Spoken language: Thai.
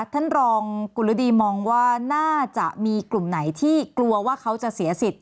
ท่านรองกุลดีมองว่าน่าจะมีกลุ่มไหนที่กลัวว่าเขาจะเสียสิทธิ